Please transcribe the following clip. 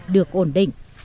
được ổn định